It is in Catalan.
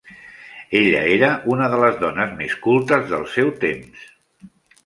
Ella era una de les dones més cultes del seu temps.